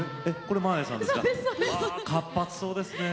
はぁ活発そうですねえ。